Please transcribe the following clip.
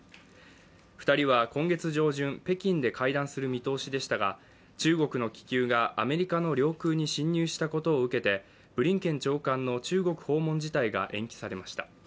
２人は今月上旬、北京で会談する見通しでしたが中国の気球がアメリカの領空に侵入したことを受けて、ブリンケン長官の中国訪問自体が延期されました。